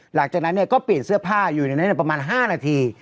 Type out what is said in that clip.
หลังจากนั้นก็เปลี่ยนเสื้อผ้าอยู่ในนั้นประมาณ๕นาที